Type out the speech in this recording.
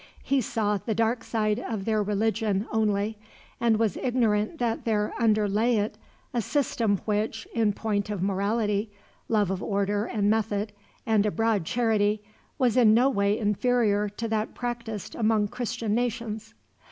He saw the dark side of their religion, only, and was ignorant that there underlay it a system which, in point of morality, love of order and method, and a broad charity, was in no way inferior to that practiced among Christian nations.